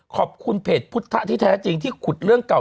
ขอบคุณเพจพุทธที่แท้จริงที่ขุดเรื่องเก่า